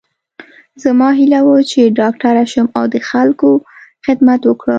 زما هیله وه چې ډاکټره شم او د خلکو خدمت وکړم